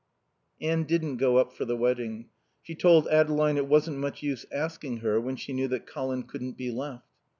Anne didn't go up for the wedding. She told Adeline it wasn't much use asking her when she knew that Colin couldn't be left.